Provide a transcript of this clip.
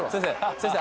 先生。